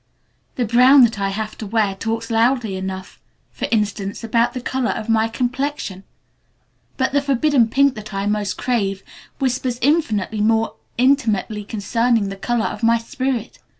The brown that I have to wear talks loudly enough, for instance, about the color of my complexion, but the forbidden pink that I most crave whispers infinitely more intimately concerning the color of my spirit.